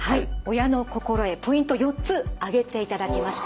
親の心得ポイント４つ挙げていただきました。